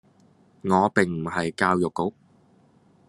我並唔係教育局